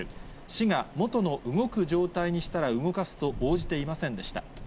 市が元の動く状態にしたら動かすと応じていませんでした。